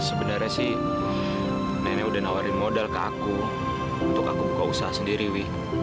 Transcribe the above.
sebenarnya sih nenek udah nawarin modal ke aku untuk aku buka usaha sendiri wih